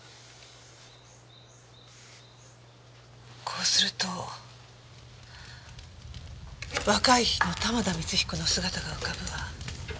こうすると若い日の玉田光彦の姿が浮かぶわ。